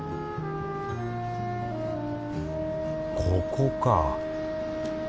ここか。